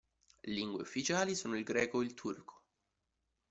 Lingue ufficiali sono il greco e il turco.